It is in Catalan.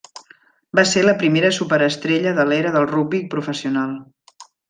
Va ser la primera superestrella de l'era del rugbi professional.